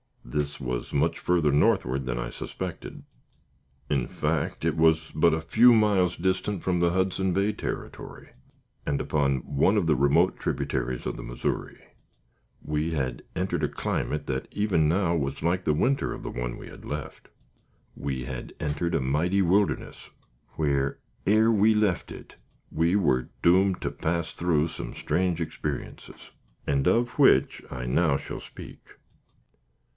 This was much further northward than I suspected; in fact, it was but a few miles distant from the Hudson Bay Territory, and upon one of the remote tributaries of the Missouri. We had entered a climate that even now, was like the winter of the one we had left. We had entered a mighty wilderness, where, ere we left it, we were doomed to pass through some strange experiences, and of which I now shall speak.